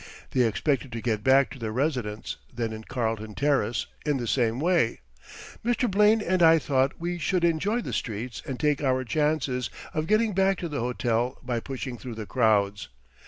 They expected to get back to their residence, then in Carlton Terrace, in the same way. Mr. Blaine and I thought we should enjoy the streets and take our chances of getting back to the hotel by pushing through the crowds.